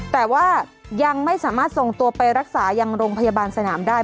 แต่ว่ายังไม่สามารถส่งตัวไปรักษายังโรงพยาบาลสนามได้